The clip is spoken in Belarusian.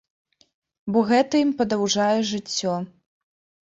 Бо гэта ім падаўжае жыццё.